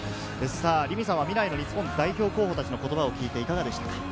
凛美さんは未来の日本代表候補たちの言葉を聞いていかがでした？